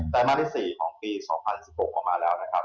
มาที่๔ของปี๒๐๑๖ออกมาแล้วนะครับ